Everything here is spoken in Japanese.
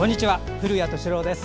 古谷敏郎です。